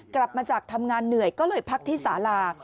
กลับมาจากทำงานเหนื่อยก็เลยพักที่สาลา